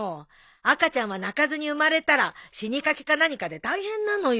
赤ちゃんは泣かずに生まれたら死にかけか何かで大変なのよ。